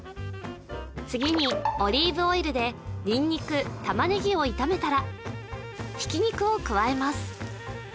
次にオリーブオイルでにんにく玉ねぎを炒めたらひき肉を加えます